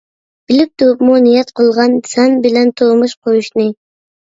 بىلىپ تۇرۇپمۇ نىيەت قىلغان، سەن بىلەن تۇرمۇش قۇرۇشنى.